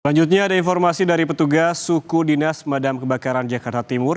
selanjutnya ada informasi dari petugas suku dinas pemadam kebakaran jakarta timur